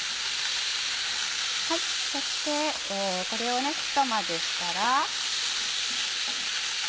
そしてこれをひと混ぜしたら。